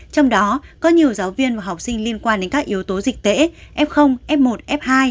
trong đó có nhiều giáo viên và học sinh liên quan đến các yếu tố dịch tễ f f một f hai